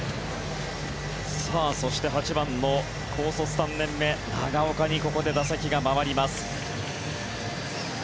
そして、８番の高卒３年目長岡にここで打席が回ります。